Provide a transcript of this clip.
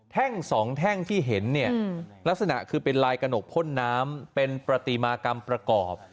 สองแท่งที่เห็นเนี่ยลักษณะคือเป็นลายกระหนกพ่นน้ำเป็นประติมากรรมประกอบ